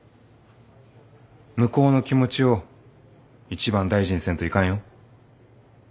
向こうの気持ちを一番大事にせんといかんよ。